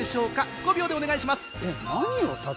５秒でお願いします。